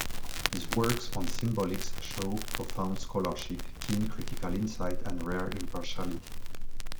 His works on symbolics show profound scholarship, keen critical insight, and rare impartiality.